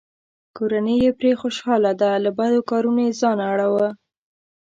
کورنۍ یې پرې خوشحاله ده؛ له بدو کارونو یې ځان اړووه.